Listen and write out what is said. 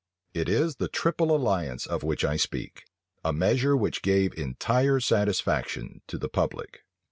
It is the triple alliance of which I speak; a measure which gave entire satisfaction to the public.